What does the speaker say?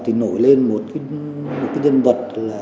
thì nổi lên một nhân vật